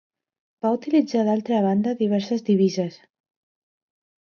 Va utilitzar d'altra banda diverses divises.